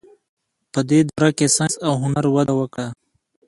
په دې دوره کې ساینس او هنر وده وکړه.